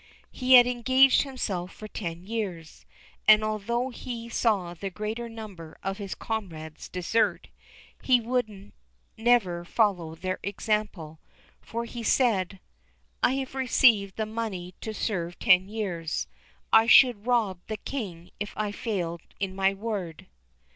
He had engaged himself for ten years, and although he saw the greater number of his comrades desert, he would never follow their example, for he said, "I have received the money to serve ten years; I should rob the King if I failed in my word."